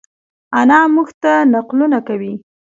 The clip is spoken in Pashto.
انا مونږ ته نقلونه کوی